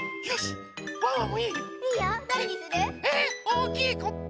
⁉おおきいコップ。